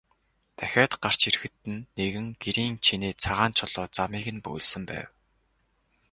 Дахиад гарч ирэхэд нь нэгэн гэрийн чинээ цагаан чулуу замыг нь бөглөсөн байв.